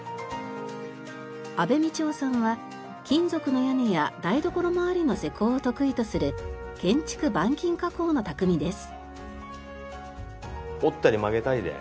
阿部道雄さんは金属の屋根や台所まわりの施工を得意とする建築板金加工の匠です。